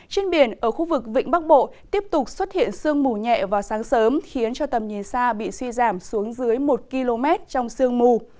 trên biển ở khu vực vịnh bắc bộ tiếp tục xuất hiện sương mù nhẹ vào sáng sớm khiến cho tầm nhìn xa bị suy giảm xuống dưới một km trong sương mù